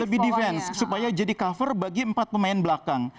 lebih defense supaya jadi cover bagi empat pemain belakang